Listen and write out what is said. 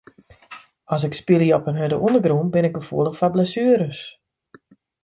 As ik spylje op in hurde ûndergrûn bin ik gefoelich foar blessueres.